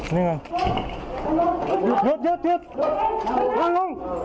นั่งลง